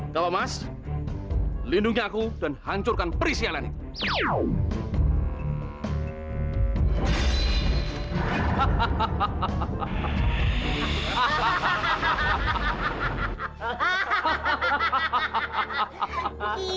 kapa emas lindungi aku dan hancurkan peristiwa lainnya